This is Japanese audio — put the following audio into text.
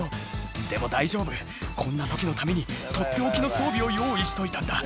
「でも大丈夫こんな時のためにとっておきの装備を用意しといたんだ」